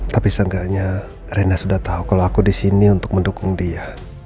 tapi seenggaknya rena sudah tahu kalau aku di sini untuk mendukung dia